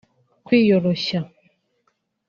kwiyoroshya